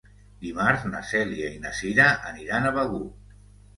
Dimarts na Cèlia i na Cira aniran a Begur.